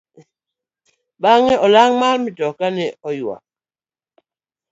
Bang'e olang' mar matoka ne oyuak.